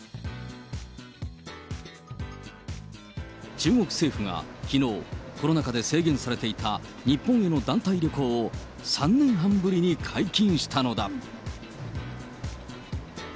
中国政府がきのう、コロナ禍で制限されていた日本への団体旅行を、３年半ぶりに解禁したのだ。